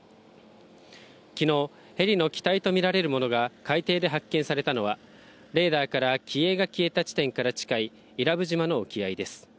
きのう、ヘリの機体と見られるものが海底で発見されたのは、レーダーから機影が消えた地点から近い伊良部島の沖合です。